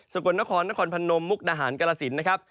กลนครนครพนมมุกดาหารกรสินนะครับ